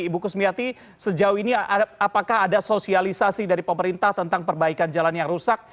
ibu kusmiati sejauh ini apakah ada sosialisasi dari pemerintah tentang perbaikan jalan yang rusak